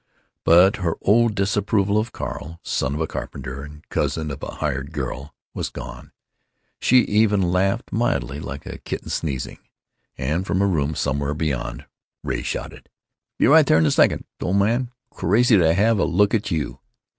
But her old disapproval of Carl, son of a carpenter and cousin of a "hired girl," was gone. She even laughed mildly, like a kitten sneezing. And from a room somewhere beyond Ray shouted: "Be right there in a second, old man. Crazy to have a look at you."